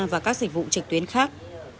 và các dịch vụ trực tuyến khác